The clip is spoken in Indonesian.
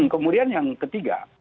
kemudian yang ketiga